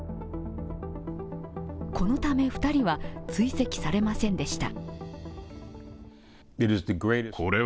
このため２人は追跡されませんでした。